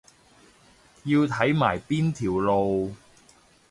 要睇埋邊條路